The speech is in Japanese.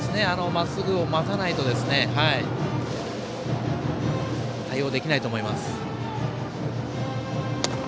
まっすぐを待たないと対応できないと思います。